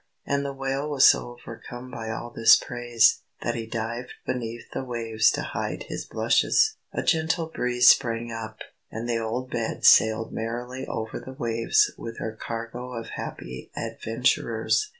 And the Whale was so overcome by all this praise, that he dived beneath the waves to hide his blushes. A gentle breeze sprang up, and the old bed sailed merrily over the waves with her cargo of happy adventurers.